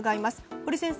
堀先生